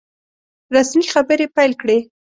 رسمي خبري پیل کړې.